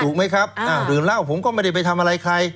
ถูกไหมครับดื่มเหล้าผมก็ไม่ได้ไปทำอะไรใคร